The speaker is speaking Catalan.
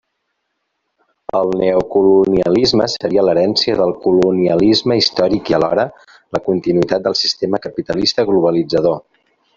El neocolonialisme seria l'herència del colonialisme històric i alhora, la continuïtat del sistema capitalista globalitzador.